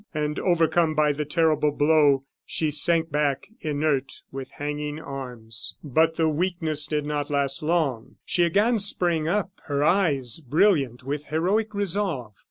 And overcome by the terrible blow, she sank back, inert, with hanging arms. But the weakness did not last long; she again sprang up, her eyes brilliant with heroic resolve.